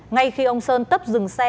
ngay khi ông sơn tấp dừng xe